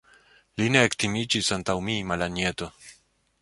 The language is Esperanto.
Li ne ektimiĝis antaŭ mi, Malanjeto.